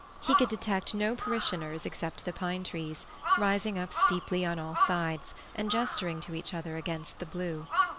He could detect no parishioners except the pine trees, rising up steeply on all sides, and gesturing to each other against the blue.